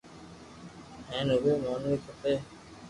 ھين اووي مونوي کپي